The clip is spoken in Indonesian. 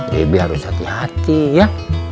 debil hati hati ya